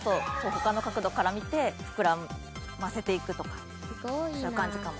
他の角度から見て膨らませていくとかそういう感じかも。